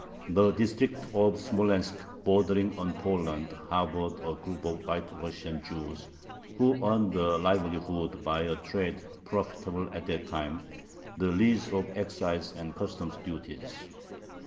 The district of Smolensk bordering on Poland harbored a group of White Russian Jews, who earned a livelihood by a trade profitable at that time, the lease of excise and customs duties.